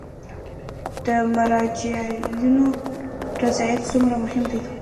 د مراجعینو رضایت څومره مهم دی؟